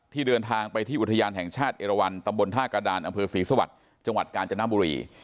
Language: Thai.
เดินทางไปที่อุทยานแห่งชาติเอราวันตำบลท่ากระดานอำเภอศรีสวรรค์จังหวัดกาญจนบุรี